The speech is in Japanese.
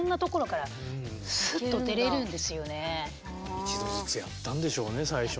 １度ずつやったんでしょうね最初ね。